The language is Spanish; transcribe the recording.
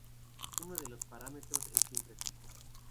Uno de los dos parámetros siempre es fijo.